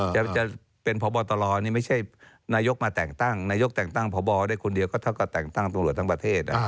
จะเป็นพบตรนี่ไม่ใช่นายกมาแต่งตั้งนายกแต่งตั้งพบได้คนเดียวก็เท่ากับแต่งตั้งตำรวจทั้งประเทศ